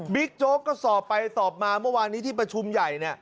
โจ๊กก็สอบไปสอบมาเมื่อวานนี้ที่ประชุมใหญ่